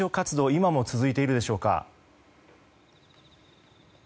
今も続いているでしょうか。